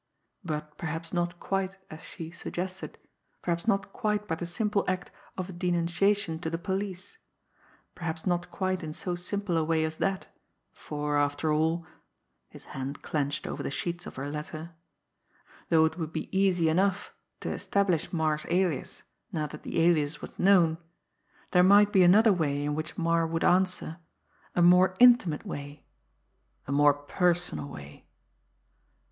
But perhaps not quite as she suggested, perhaps not quite by the simple act of a denunciation to the police, perhaps not quite in so simple a way as that, for, after all his hand clenched over the sheets of her letter though it would be easy enough to establish Marre's alias now that the alias was known, there might be another way in which Marre would answer, a more intimate way, a more personal way!